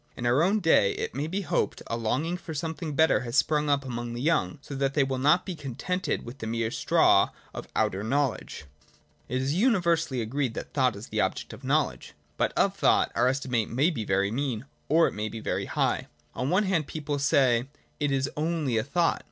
In our own day it may be hoped a longing for something better has sprung up among the young, so that they will not be contented with the mere straw of outer knowledge. {2) It is universally agreed that thought is the object of Logic. But of thought our estimate may be very mean, or it may be very high. On one hand, people say :' It is only a thought.'